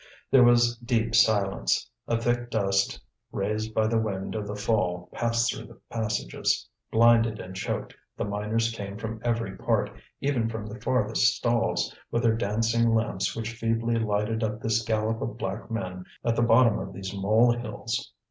There was deep silence. A thick dust raised by the wind of the fall passed through the passages. Blinded and choked, the miners came from every part, even from the farthest stalls, with their dancing lamps which feebly lighted up this gallop of black men at the bottom of these molehills.